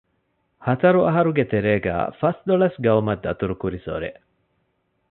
ހަތަރު އަަހަރުގެ ތެރޭގައި ފަސްދޮޅަސް ގައުމަށް ދަތުރު ކުރި ސޮރެއް